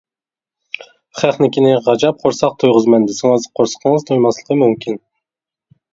خەقنىڭكىنى غاجاپ قورساق تويغۇزىمەن دېسىڭىز قورسىقىڭىز تويماسلىقى مۇمكىن.